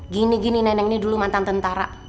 gini gini neneng ini dulu mantan tentara